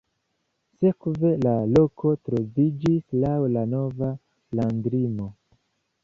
Sekve la loko troviĝis laŭ la nova landlimo.